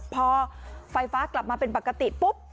พอไฟฟ้ากลับมาเป็นปกติปุ๊บ